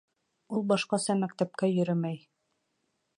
Ул башҡаса мәктәпкә йөрөмәй